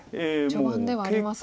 序盤ではありますが。